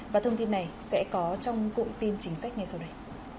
và thông tin này sẽ có trong cụm tin chính sách ngay sau đây